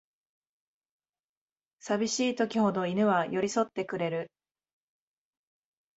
さびしい時ほど犬は寄りそってくれる